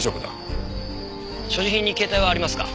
所持品に携帯はありますか？